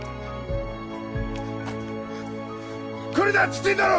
来るなっつってんだろ！